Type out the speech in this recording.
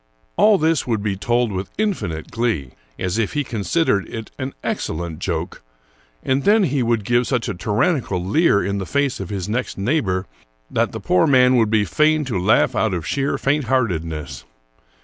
All this would be told with infinite glee, as if he considered it an excellent joke, and then he would give such a tyran nical leer in the face of his next neighbor that the poor man would be fain to laugh out of sheer faint heartedness.